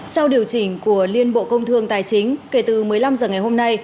sau điều chỉnh của liên bộ công thương tài chính kể từ một mươi năm h ngày hôm nay